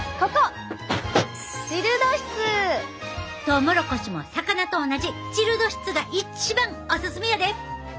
トウモロコシも魚と同じチルド室が一番オススメやで！